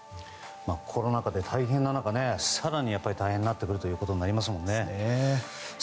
コロナ禍で大変な中更に大変になってくるということになりますもんね。